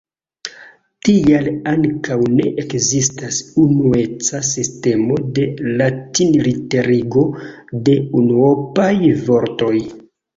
Tial ankaŭ ne ekzistas unueca sistemo de latinliterigo de unuopaj vortoj.